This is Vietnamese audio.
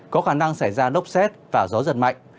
có khả năng xảy ra lốc xét và gió giật mạnh